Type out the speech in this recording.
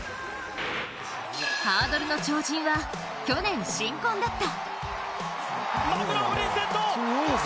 ハードルの超人は去年、新婚だった。